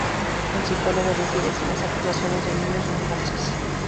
El psicólogo decide si las acusaciones del niño son falsas.